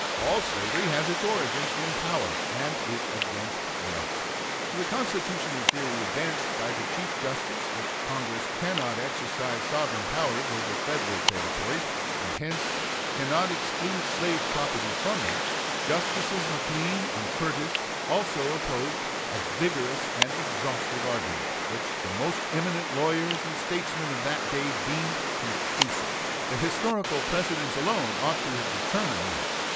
All slavery has its origin in power and is against right. To the constitutional theory advanced by the Chief Justice, that Congress cannot exercise sovereign powers over Federal Territories, and hence cannot exclude slave property from them, Justices McLean and Curtis also opposed a vigorous and exhaustive argument, which the most eminent lawyers and statesmen of that day deemed conclusive. The historical precedents alone ought to have determined the issue.